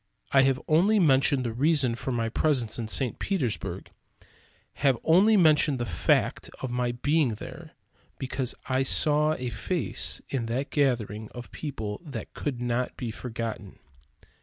I have only mentioned the reason for my presence in St. Petersburg; have only mentioned the fact of my being there, because I saw a face in that gathering of people that could not be forgotten.